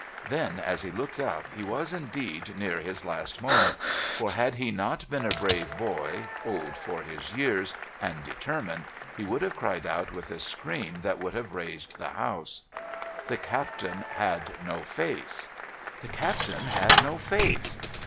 Then as he looked up he was indeed near his last moment, for had he not been a brave boy, old for his years, and determined, he would have cried out with a scream that would have raised the house. The Captain had no face... The Captain had no face...